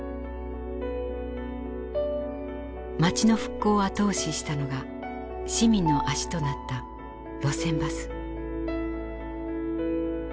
町の復興を後押ししたのが市民の足となった路線バス。